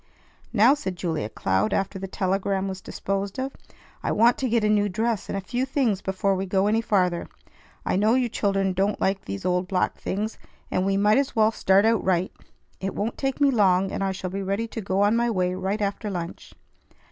"Now," said Julia Cloud after the telegram was disposed of, "I want to get a new dress and a few things before we go any farther. I know you children don't like these old black things, and we might as well start out right. It won't take me long, and I shall be ready to go on my way right after lunch."